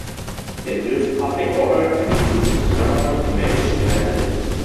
Der Begriff "public order" ergibt in diesem Zusammenhang im englischen keinen Sinn.